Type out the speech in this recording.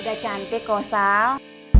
udah cantik kok sal